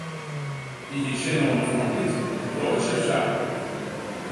Hy hie sin oan in flaubyt, in broadsje of sa.